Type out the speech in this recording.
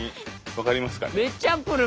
分かります？